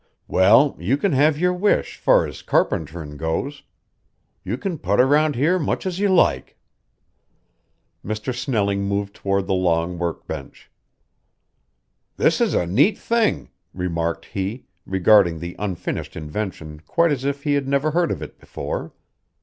"Well, you can have your wish fur's carpenterin' goes. You can putter round here much as you like." Mr. Snelling moved toward the long workbench. "This is a neat thing," remarked he, regarding the unfinished invention quite as if he had never heard of it before.